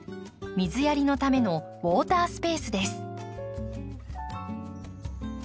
水やりのためのウォータースペースです。